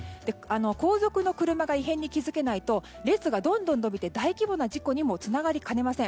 後続の車が異変に気づけないと列がどんどん延びて大規模な事故にもつながりかねません。